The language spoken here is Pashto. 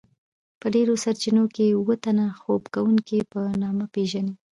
په ډیرو سرچینو کې اوه تنه خوب کوونکيو په نامه پیژني.